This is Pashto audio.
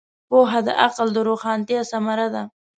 پوهه د عقل د روښانتیا ثمره ده.